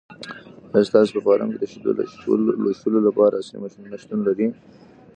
آیا ستاسو په فارم کې د شیدو لوشلو لپاره عصري ماشینونه شتون لري؟